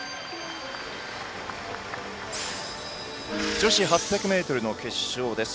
女子８００ｍの決勝です。